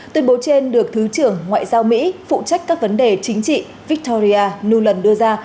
tuyên bố trên được thứ trưởng ngoại giao mỹ phụ trách các vấn đề chính trị victoria nuland đưa ra